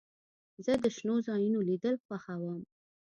زه د شنو ځایونو لیدل خوښوم.